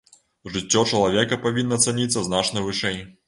Жыццё чалавека павінна цаніцца значна вышэй.